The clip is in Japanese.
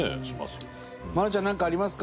愛菜ちゃんなんかありますか？